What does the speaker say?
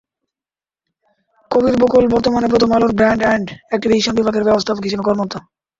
কবির বকুল বর্তমানে প্রথম আলোর ব্র্যান্ড অ্যান্ড অ্যাক্টিভিশন বিভাগের ব্যবস্থাপক হিসেবে কর্মরত।